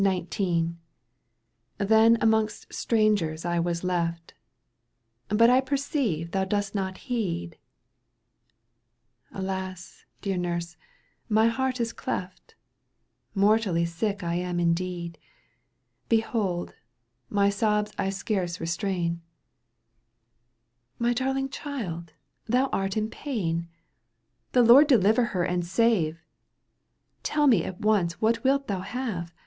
" Then amongst strangers I was left — But I perceive thou dost not heed ''" Alas ! dear nurse, my heart is cleft, Mortally sick I am indeed. Behold, my sobs I scarce restrain —" My darling child, thou art in pain. — The Lord deliver her and save ! Tell me at once what wilt thou have